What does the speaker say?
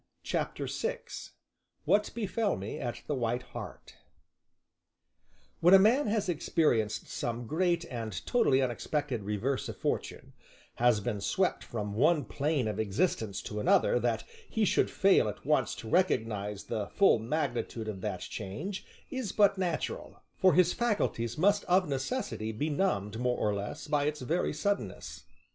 CHAPTER VI WHAT BEFELL ME AT "THE WHITE HART" When a man has experienced some great and totally unexpected reverse of fortune, has been swept from one plane of existence to another, that he should fail at once to recognize the full magnitude of that change is but natural, for his faculties must of necessity be numbed more or less by its very suddenness.